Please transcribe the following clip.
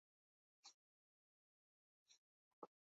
El vencedor de la carrera, además de una etapa, fue Juan Martí.